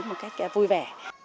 chúng tôi sẽ vui vẻ